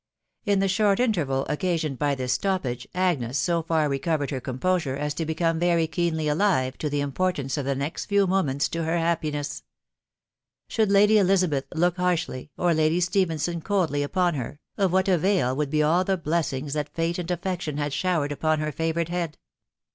In the short interval occasioned by this steppage, Agnes so fur leeovuud her comaieaaae as to become very keenly alive to the importance of the next new moments to her happiness*. ...* Should Lady Elisabeth look harshly, or Lady Stephen son coXcQy upon her, of what avail would be all. the blessings that fate and affection had showered upon her favoured bead?